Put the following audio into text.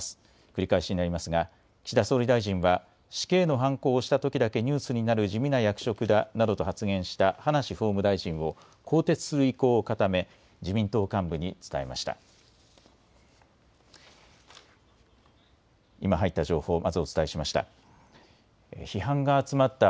繰り返しになりますが、岸田総理大臣は死刑のはんこを押したときだけニュースになる地味な役職だなどと発言した葉梨法務大臣を更迭する意向を固め、自民党幹部に伝えました。